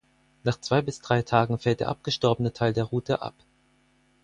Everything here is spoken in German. Nach zwei bis drei Tagen fällt der abgestorbene Teil der Rute ab.